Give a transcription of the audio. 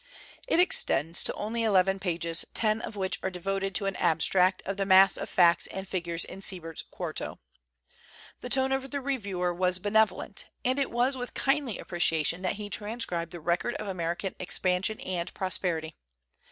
It extends to only eleven pages, ten of which are devoted to an abstract of the mass of facts and figures in Seybert's quarto. The tone of the reviewer was benev olent; and it was with kindly appreciation that he transcribed the record of American expan sion and prosperity.